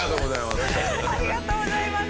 ありがとうございます。